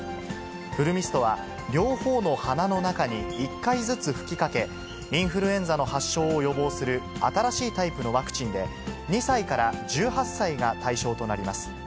フルミストは、両方の鼻の中に１回ずつ吹きかけ、インフルエンザの発症を予防する新しいタイプのワクチンで、２歳から１８歳が対象となります。